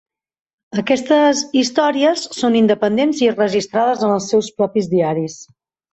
Aquestes històries són independents i registrades en els seus propis diaris.